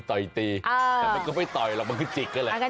แต่มันก็ไม่ต่อยหรอกมันคือจิกก็แหละ